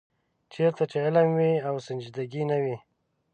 چېرته چې علم وي او سنجیدګي نه وي.